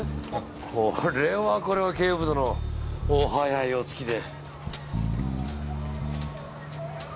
これはこれは警部殿お早いお着きで。